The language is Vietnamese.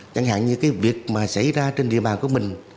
chẳng hạn như cái việc mà xảy ra trên địa bàn của mình